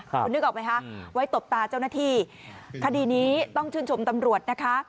คุณนึกออกไหมคะไว้ตบตาเจ้าหน้าที่คดีนี้ต้องชื่นชมตำรวจนะคะ